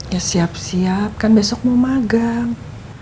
ya siap siap kan besok mau magang